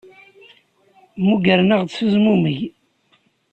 Mmugren-aɣ s uzmumeg.